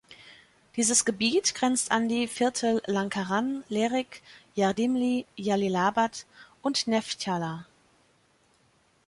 Dieses Gebiet grenzt an die Viertel Lankaran, Lerik, Yardimli, Jalilabad und Neftchala.